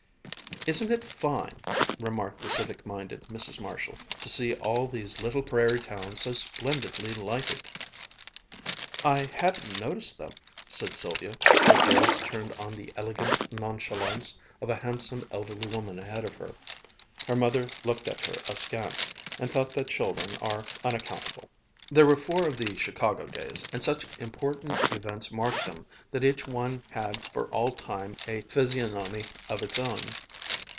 "Isn't it fine," remarked the civic minded Mrs. Marshall, "to see all these little prairie towns so splendidly lighted?" "I hadn't noticed them," said Sylvia, her gaze turned on the elegant nonchalance of a handsome, elderly woman ahead of her. Her mother looked at her askance, and thought that children are unaccountable. There were four of the Chicago days, and such important events marked them that each one had for all time a physiognomy of its own.